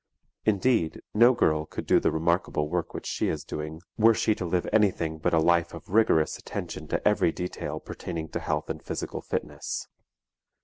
Indeed, no girl could do the remarkable work which she is doing were she to live anything but a life of rigorous attention to every detail pertaining to health and physical fitness.